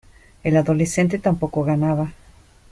el adolescente tampoco ganaba: